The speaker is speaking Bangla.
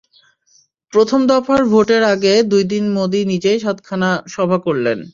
প্রথম দফার ভোটের আগে দুই দিনে মোদি নিজেই সাতখানা সভা করলেন।